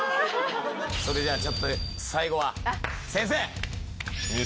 それではちょっと最後は先生！